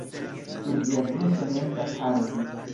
Sur ĝia frunto ne estas haroj.